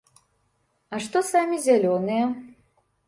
А што самі зялёныя?